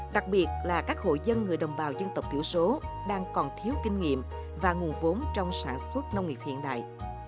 đồng bào dân tộc tiểu số đang còn thiếu kinh nghiệm và nguồn vốn trong sản xuất nông nghiệp hiện đại